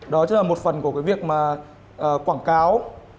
đó chính là một phần của cái việc mà quảng cáo